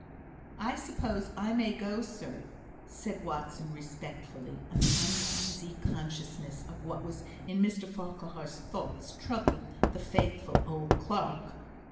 "I suppose I may go, sir," said Watson, respectfully, an uneasy consciousness of what was in Mr Farquhar's thoughts troubling the faithful old clerk.